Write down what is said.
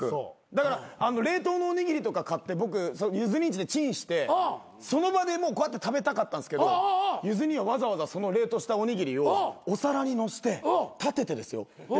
だから冷凍のおにぎりとか買って僕ゆず兄んちでチンしてその場でもうこうやって食べたかったんですけどゆず兄はわざわざその冷凍したおにぎりをお皿にのせて立ててですよで